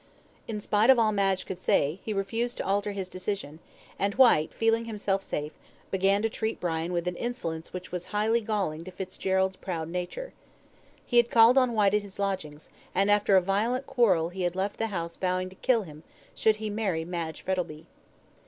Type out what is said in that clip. In spite of all Madge could say, he refused to alter his decision, and Whyte, feeling himself safe, began to treat Brian with an insolence which was highly galling to Fitzgerald's proud nature. He had called on Whyte at his lodgings, and after a violent quarrel he had left the house vowing to kill him, should he marry Madge Frettlby.